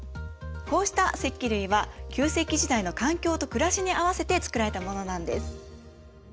こうした石器類は旧石器時代の環境と暮らしに合わせて作られたものなんです。